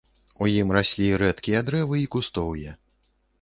У ім раслі рэдкія дрэвы і кустоўе.